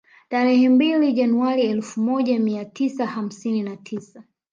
Tarehe mbili Januari elfu moja mia tisa hamsini na tisa